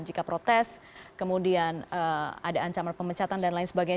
jika protes kemudian ada ancaman pemecatan dan lain sebagainya